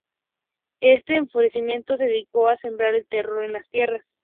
Este, enfurecido, se dedicó a sembrar el terror en las tierras.